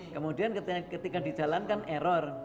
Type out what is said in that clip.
kemudian ketika dijalankan error